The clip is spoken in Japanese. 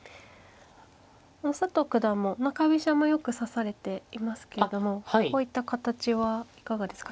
佐藤九段も中飛車もよく指されていますけれどもこういった形はいかがですか。